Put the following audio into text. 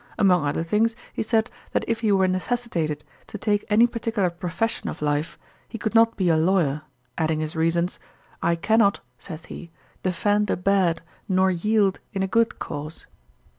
Among other things, he said, that if he were necessitated to take any particular profession of life, he could not be a lawyer, adding his reasons: "I cannot (saith he,) defend a bad, nor yield in a good cause."'